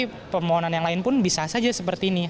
tapi permohonan yang lain pun bisa saja seperti ini